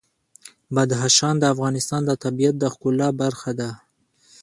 بدخشان د افغانستان د طبیعت د ښکلا برخه ده.